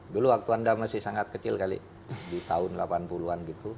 dulu waktu anda masih sangat kecil kali di tahun delapan puluh an gitu